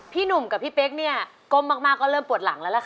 พี่หนุ่มกับพี่เป๊กกเริ่มปวดหลังแล้วล่ะค่ะ